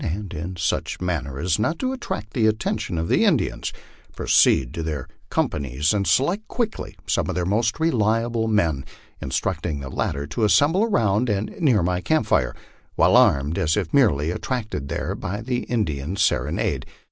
243 and, in such manner as not to attract the attention of the Indians, proceed to their companies and select quickly some of their most reliable men, in structing the latter to assemble around and near my camp fire, well armed, as if merely attracted there by the Indian serenade.